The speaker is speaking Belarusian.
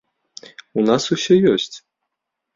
У нас усё ёсць.